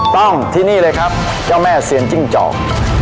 ต้องที่นี่เลยครับเจ้าแม่เซียนจิ้งจอก